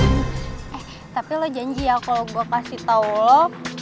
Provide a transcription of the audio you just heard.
eh tapi lo janji ya kalau gue kasih tau lo